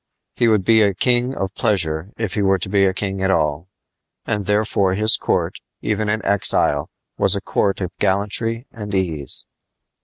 He would be a king of pleasure if he were to be king at all. And therefore his court, even in exile, was a court of gallantry and ease.